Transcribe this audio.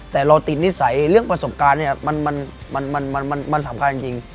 แต่เราติดนิสัยเรื่องประสบการณ์เนี่ยมันสำคัญจริง